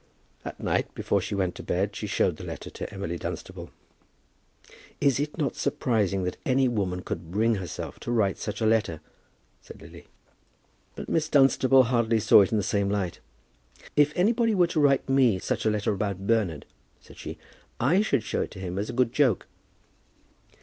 At night, before she went to bed, she showed the letter to Emily Dunstable. "Is it not surprising that any woman could bring herself to write such a letter?" said Lily. But Miss Dunstable hardly saw it in the same light. "If anybody were to write me such a letter about Bernard," said she, "I should show it to him as a good joke."